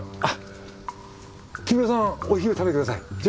あっ木村さんはお昼食べてください。